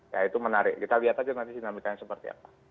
ya itu menarik kita lihat aja nanti dinamikanya seperti apa